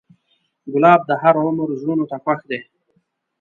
ګلاب د هر عمر زړونو ته خوښ دی.